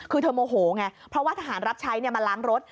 คือเธอโมโหไงเพราะว่าทหารรับใช้มาล้างรถ